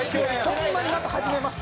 ホンマにまた始めます。